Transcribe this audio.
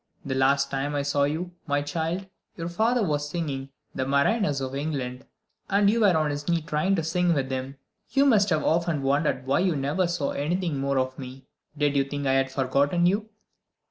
The last time I saw you, my child, your father was singing 'The Mariners of England,' and you were on his knee trying to sing with him. You must have often wondered why you never saw anything more of me. Did you think I had forgotten you?"